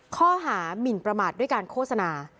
ข้อหามินประมาทด้วยการโฆษณา